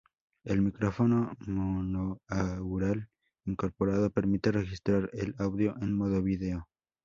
El micrófono monoaural incorporado permite registrar el audio en modo vídeo.